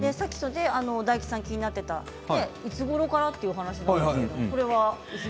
大吉さんがおっしゃっていたいつごろからというお話なんですけれど。